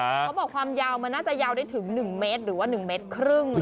เขาบอกว่าความยาวมันน่าจะยาวได้ถึงหนึ่งเมตรหรือว่าหนึ่งเมตรครึ่งเลย